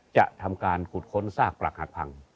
จะทำการขุดค้นซากปรักหักพัง